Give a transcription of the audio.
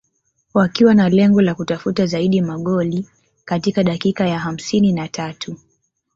wakiwa na lengo la kutafuta zaidi magoli katika dakika ya hamsini na tatu